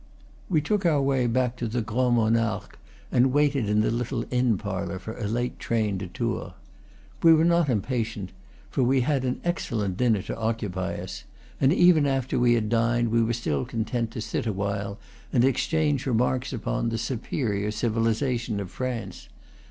We took our way back to the Grand Monarque, and waited in the little inn parlor for a late train to Tours. We were not impatient, for we had an ex cellent dinner to occupy us; and even after we had dined we were still content to sit awhile and exchange remarks upon, the superior civilization of France.